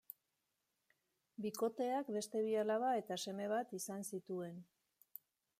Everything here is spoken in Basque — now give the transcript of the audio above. Bikoteak beste bi alaba eta seme bat izan zituen.